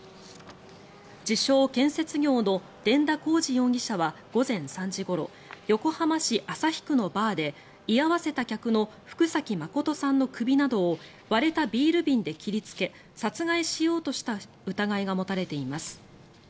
自称・建設業の傳田貢士容疑者は午前３時ごろ横浜市旭区のバーで居合わせた客の福崎誠さんの首などを割れたビール瓶で切りつけ殺害しようとした疑いが持たれています。